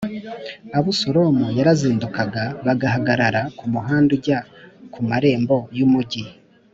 Abusalomu yarazindukaga b agahagarara ku muhanda ujya ku marembo y umugi